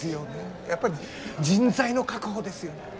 やっぱり人材の確保ですよね。